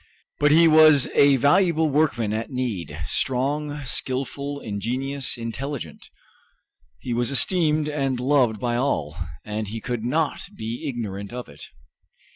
But he was a valuable workman at need strong, skilful, ingenious, intelligent. He was esteemed and loved by all, and he could not be ignorant of it.